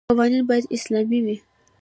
قوانین باید اسلامي وي.